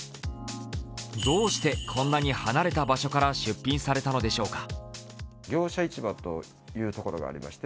どうしてこんなに離れた場所から出品されたのでしょうか。